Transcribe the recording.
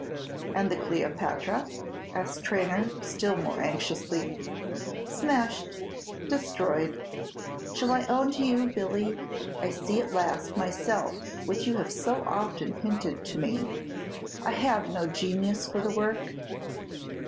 "And the Cleopatra?" asked Traynor, still more anxiously. "Smashed, destroyed. Shall I own to you, Billy, I see at last myself what you have so often hinted to me, I have no genius for the work?"